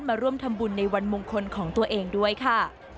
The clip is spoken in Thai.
มาร่วมทำบุญในวันมงคลของตัวเองด้วยค่ะ